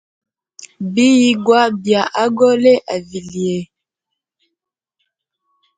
Biyigwa bya agole a vilye.